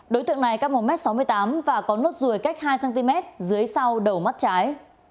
đối tượng này cao một m sáu mươi tám và có nốt ruồi cách hai cm dưới sau đầu mắt trái